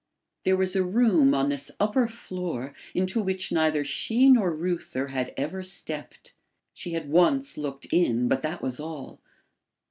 There was a room on this upper floor into which neither she nor Reuther had ever stepped. She had once looked in but that was all.